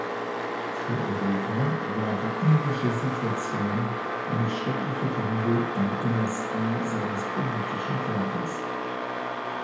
Für Europa war die irische Situation eine schreckliche Wunde im Innersten seines politischen Körpers.